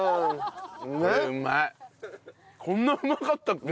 こんなうまかったっけ？